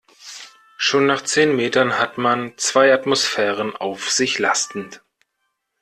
Schon nach zehn Metern hat man zwei Atmosphären auf sich lastend.